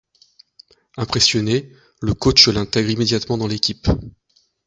Impressionné, le coach l'intègre immédiatement dans l'équipe.